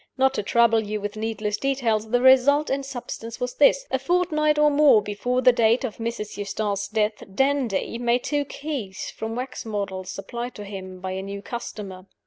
Not to trouble you with needless details, the result in substance was this: A fortnight or more before the date of Mrs. Eustace's death, 'Dandie' made two keys from wax models supplied to him by a new customer.